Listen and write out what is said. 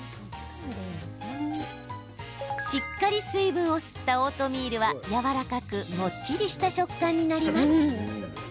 しっかり水分を吸ったオートミールは柔らかくもっちりした食感になります。